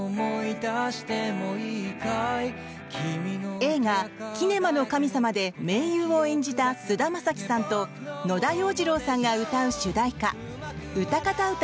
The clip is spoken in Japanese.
映画「キネマの神様」で盟友を演じた菅田将暉さんと野田洋次郎さんが歌う主題歌「うたかた